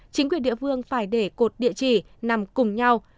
chính quyền địa phương phải để cột địa chỉ nằm cùng nhau